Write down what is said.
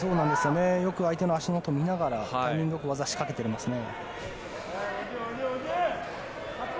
よく相手の足元を見ながらタイミングよく技を仕掛けてますね。